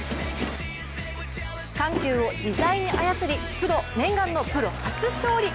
緩急を自在に操り念願のプロ初勝利。